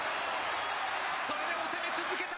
それでも攻め続けた。